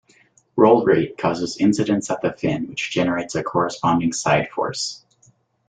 Roll rate causes incidence at the fin, which generates a corresponding side force.